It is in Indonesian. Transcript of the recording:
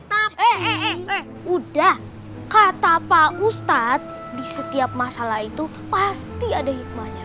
tapi udah kata pak ustadz di setiap masalah itu pasti ada hikmahnya